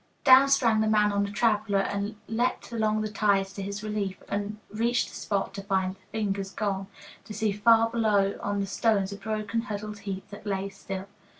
Down sprang the man on the "traveler," and leaped along the ties to his relief, and reached the spot to find the fingers gone, to see far below on the stones a broken, huddled heap that lay still.